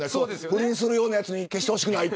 不倫するようなやつに消してほしくない。